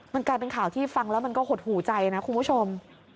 มันกลายเป็นข่าวที่ฟังแล้วมันก็หดหูใจนะคุณผู้ชม